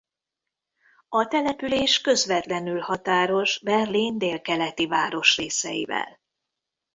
A település közvetlenül határos Berlin délkeleti városrészeivel.